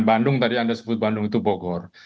bandung tadi anda sebut bandung itu bogor